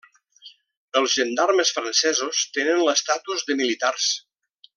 Els gendarmes francesos tenen l'estatus de militars.